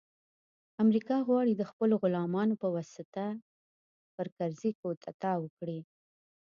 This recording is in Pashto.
امریکا غواړي د خپلو غلامانو په وسیله پر کرزي کودتا وکړي